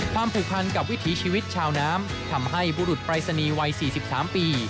ผูกพันกับวิถีชีวิตชาวน้ำทำให้บุรุษปรายศนีย์วัย๔๓ปี